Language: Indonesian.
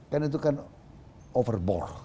kan itu kan overbore